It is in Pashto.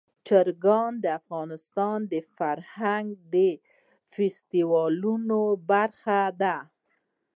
چرګان د افغانستان د فرهنګي فستیوالونو برخه ده.